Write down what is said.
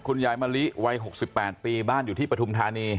ยายมะลิวัย๖๘ปีบ้านอยู่ที่ปฐุมธานี